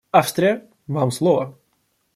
Австрия, вам слово.